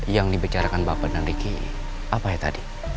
yang dibicarakan bapak dan ricky apa ya tadi